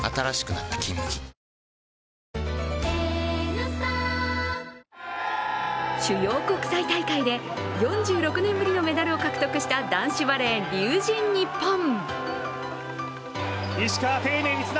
ニトリ主要国際大会で４６年ぶりのメダルを獲得した男子バレー・龍神ＮＩＰＰＯＮ。